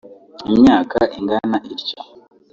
imyaka ingana ityo